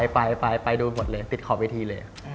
ไปดูหมดเลยติดขอบเวทีเลย